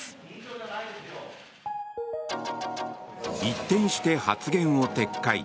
一転して発言を撤回。